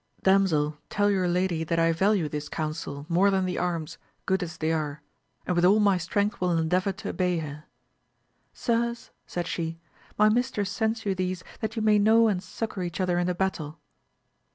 Damsel, tell your lady that I value this counsel more than the arms, good as they are, and with all my strength will endeavour to obey her. Sirs, said she, my mistress sends you these that you may know and succour each other in the battle.